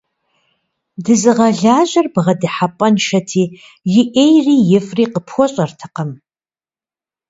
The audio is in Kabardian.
Дызыгъэлажьэр бгъэдыхьэпӏэншэти, и ӏейри ифӏри къыпхуэщӏэртэкъым.